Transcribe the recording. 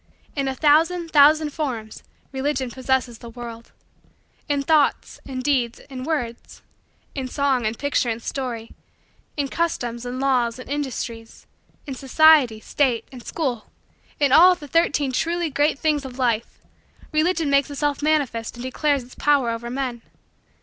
In a thousand, thousand, forms, Religion possesses the world. In thoughts, in deeds, in words in song and picture and story in customs and laws and industries in society, state, and school in all of the Thirteen Truly Great Things of Life, Religion makes itself manifest and declares its power over men.